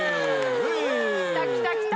きたきたきた。